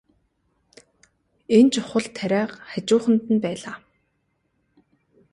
Энэ чухал тариа хажууханд нь байлаа.